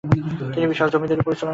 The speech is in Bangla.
তিনি বিশাল জমিদারী পরিচালনা করেন।